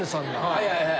はいはいはい。